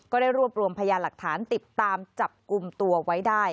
ก็ได้รวบรวมพยานหลักฐานติดตามจับกลุ่มตัวไว้ได้